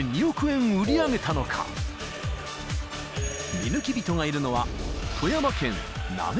［見抜き人がいるのは］